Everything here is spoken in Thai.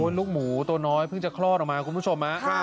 ลูกหมูตัวน้อยเพิ่งจะคลอดออกมาคุณผู้ชม